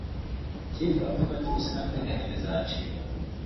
icyitwa ruswa cyose n'akarengane bizacibwa